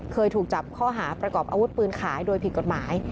เคยถูกจับข้อหาประกอบอาวุธปืนขายโดยผิดกฎหมาย